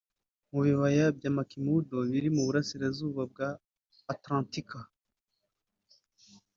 Mu bibaya bya McMurdo biri mu Burasirazuba bwa Antarctica